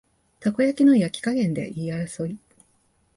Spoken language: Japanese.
たこ焼きの焼き加減で言い争い